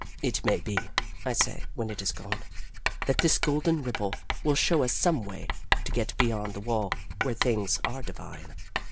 "It may be," I say when it is gone, "that this golden ripple will show us some way to get beyond the wall where things are divine."